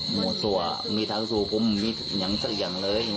หมวดสัวร้ายมีทางสู่ผมอย่างสักอย่างเลย